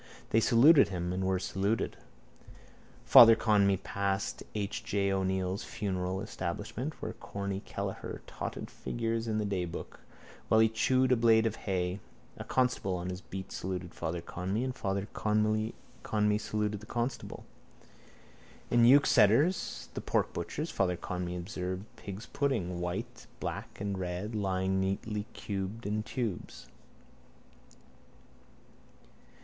They saluted him and were saluted. Father Conmee passed H. J. O'Neill's funeral establishment where Corny Kelleher totted figures in the daybook while he chewed a blade of hay. A constable on his beat saluted Father Conmee and Father Conmee saluted the constable. In Youkstetter's, the porkbutcher's, Father Conmee observed pig's puddings, white and black and red, lie neatly curled in tubes.